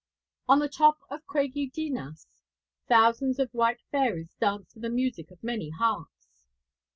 On the top of Craig y Ddinas thousands of white fairies dance to the music of many harps.